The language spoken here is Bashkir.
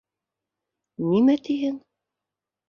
Нимә тиһен?